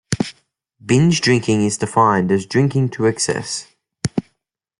Binge drinking is defined as drinking to excess.